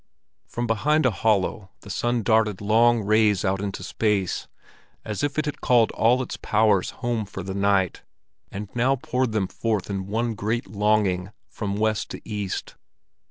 From behind a hollow the sun darted long rays out into space, as if it had called all its powers home for the night, and now poured them forth in one great longing, from west to east.